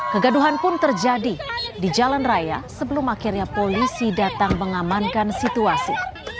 kegaduhan pun terjadi di jalan raya sebelum akhirnya polisi datang mengamankan situasi